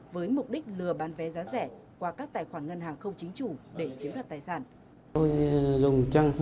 với mục đích lừa bán vé giá rẻ qua các tài khoản ngân hàng không chính chủ để chiếm đoạt tài sản